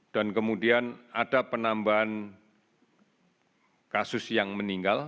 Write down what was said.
dan kemudian ada penambahan kasus yang meninggal